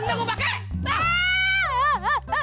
sendal mau pakai